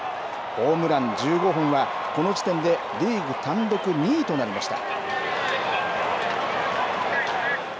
ホームラン１５本は、この時点でリーグ単独２位となりました。